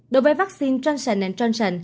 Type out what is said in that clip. đối với vaccine transcendent